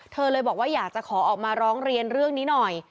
เธอเลยบอกว่าอยากจะขอออกมาร้องเรียนเรื่องนี้หน่อย